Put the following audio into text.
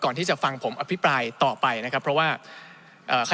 ก่อนที่จะฟังผมอภิปรายต่อไปนะครับ